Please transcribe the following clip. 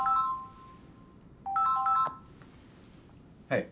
はい。